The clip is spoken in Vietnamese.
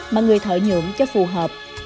mà người thợ nhượng cho phù hợp